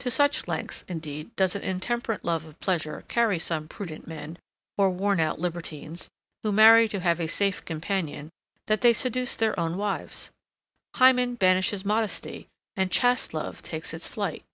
To such lengths, indeed, does an intemperate love of pleasure carry some prudent men, or worn out libertines, who marry to have a safe companion, that they seduce their own wives. Hymen banishes modesty, and chaste love takes its flight.